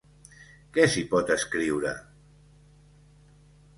Què s’hi pot escriure?